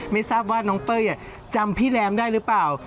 ไม่ทราบว่าน้องเป้ยจำพี่แรมได้หรือเปล่า